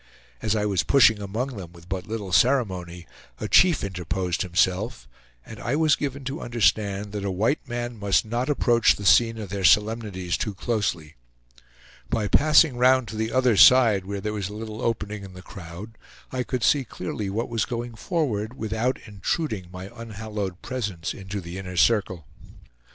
As I was pushing among them with but little ceremony, a chief interposed himself, and I was given to understand that a white man must not approach the scene of their solemnities too closely. By passing round to the other side, where there was a little opening in the crowd, I could see clearly what was going forward, without intruding my unhallowed presence into the inner circle.